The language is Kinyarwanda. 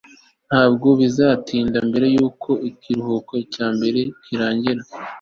ntabwo bizatinda mbere yuko ikiruhuko cyimbeho kirangira